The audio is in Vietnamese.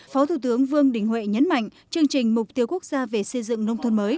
phó thủ tướng vương đình huệ nhấn mạnh chương trình mục tiêu quốc gia về xây dựng nông thôn mới